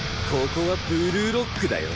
ここはブルーロックだよ？